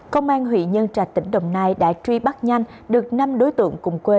công an huyện nhân trạch tỉnh đồng nai đã truy bắt nhanh được năm đối tượng cùng quê